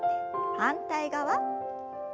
反対側。